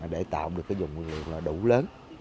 để tạo được cái vùng nguyên liệu là đủ lớn